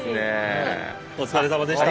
お疲れさまでした。